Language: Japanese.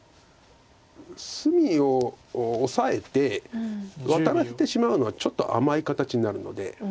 隅をオサえてワタらせてしまうのはちょっと甘い形になるので。